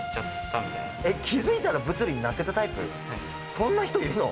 そんな人いるの？